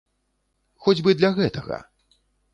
Хоць бы для гэтага!